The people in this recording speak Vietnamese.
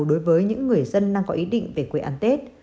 đối với những người dân đang có ý định về quê ăn tết